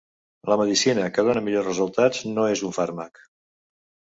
La medicina que dona millors resultats no és un fàrmac.